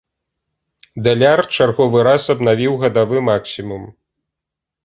Даляр чарговы раз абнавіў гадавы максімум.